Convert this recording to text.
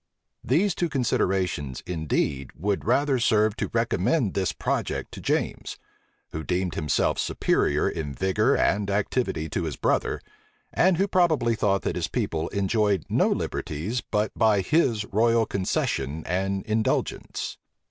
These two considerations, indeed, would rather serve to recommend this project to James; who deemed himself superior in vigor and activity to his brother, and who probably thought that his people enjoyed no liberties but by his royal concession and indulgence.